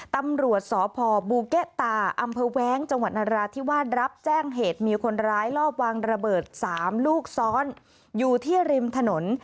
ตำรวจสพบูเกะตาอำเภอแว้งจังหวัดนราธิวาสรับแจ้งเหตุมีคนร้ายลอบวางระเบิด๓ลูกซ้อนอยู่ที่ริมถนน